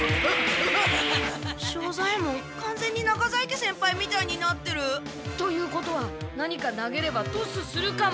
庄左ヱ門かんぜんに中在家先輩みたいになってる！ということは何か投げればトスするかも。